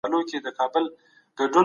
وزیران به ګډي ناستي جوړوي.